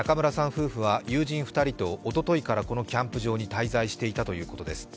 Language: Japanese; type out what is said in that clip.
夫婦は友人２人とおとといからこのキャンプ場に滞在していたということです。